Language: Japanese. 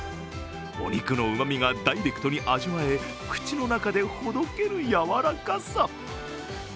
お肉のうまみがダイレクトに味わえ、口の中でほどける柔らかさ。